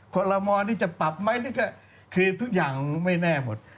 ขอรมณ์นี้จะปรับไหมคือทุกอย่างไม่แน่หมด